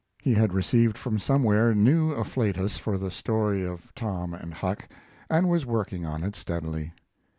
He had received from somewhere new afflatus for the story of Tom and Huck, and was working on it steadily.